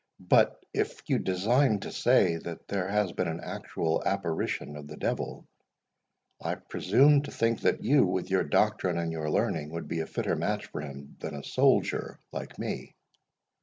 But if you design to say that there has been an actual apparition of the devil, I presume to think that you, with your doctrine and your learning, would be a fitter match for him than a soldier like me."